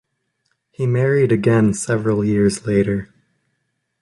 He married again several years later.